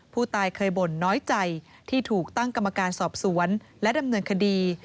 ผู้ตายเคยบ่นน้อยใจที่ถูกตั้งกรรมการสอบสวนและดำเนินคดี